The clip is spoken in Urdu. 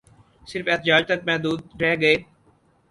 صرف احتجاج تک محدود رہ گئے